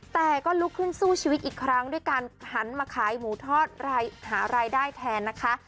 แต่ก็ลุกขึ้นสู้ชีวิตอีกครั้งด้วยการหันมาขายหมูทอดหารายได้แทนนะคะ